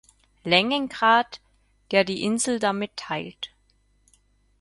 Längengrad, der die Insel damit teilt.